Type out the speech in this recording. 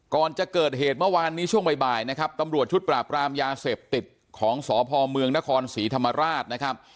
ก่อนจะเกิดเหตุเมื่อวานนี้ช่วงบ่ายนะครับตำรวจชุดปราบรามยาเสพติดของสพเมืองนครศรีธรรมราชนะครับ